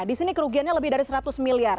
di sini kerugiannya lebih dari seratus miliar